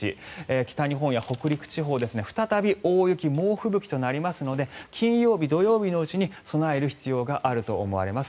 北日本や北陸地方再び大雪、猛吹雪となりますので金曜日、土曜日のうちに備える必要があると思われます。